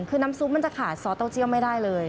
คือน้ำซุปมันจะขาดซอสเต้าเจียวไม่ได้เลย